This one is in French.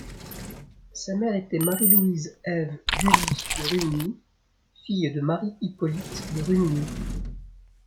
Sa mère était Marie Louise Ève Gueulluy de Rumigny, fille de Marie-Hippolyte de Rumigny.